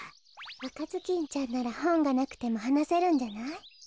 「あかずきんちゃん」ならほんがなくてもはなせるんじゃない？